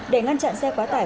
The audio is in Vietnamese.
để ngăn chặn xe quá tải